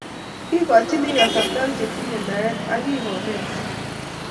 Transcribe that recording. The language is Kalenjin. kikochini kasarta che tinye naet eng' kiy koonet alak